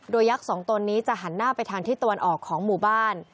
โดยยักษ์สองตนนี้จะหันหน้าไปทางทิศตะวันออกของหมู่บ้าน